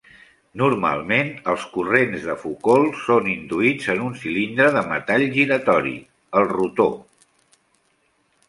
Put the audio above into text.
Normalment, els corrents de Foucault són induïts en un cilindre de metall giratori, el rotor.